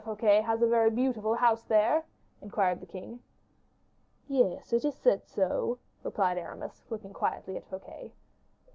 Fouquet has a very beautiful house there?" inquired the king. "Yes, it is said so," replied Aramis, looking quietly at Fouquet.